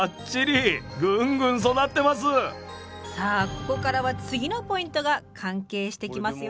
ここからは次のポイントが関係してきますよ。